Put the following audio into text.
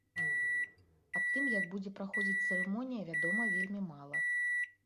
Аб тым, як будзе праходзіць цырымонія, вядома вельмі мала.